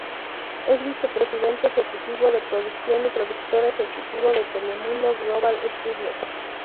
Es vicepresidente ejecutivo de producción y productor ejecutivo de Telemundo Global Studios.